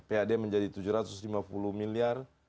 pad menjadi tujuh ratus lima puluh miliar